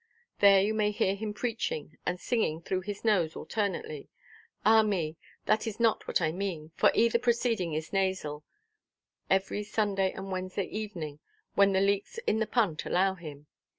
There you may hear him preaching and singing through his nose alternately—ah, me, that is not what I mean—for either proceeding is nasal—every Sunday and Wednesday evening, when the leaks in the punt allow him.